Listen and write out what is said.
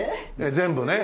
全部ね。